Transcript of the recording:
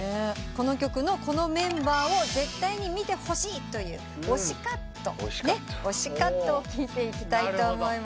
この曲のこのメンバーを絶対に見てほしいという推しカットを聞いていきたいと思います。